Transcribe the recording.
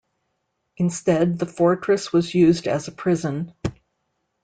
Instead the fortress was used as a prison.